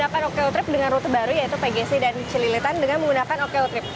menggunakan oko trip dengan rute baru yaitu pgc dan cililitan dengan menggunakan oko trip